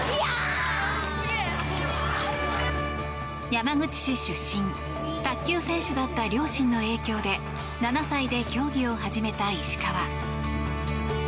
山口市出身卓球選手だった両親の影響で７歳で競技を始めた石川。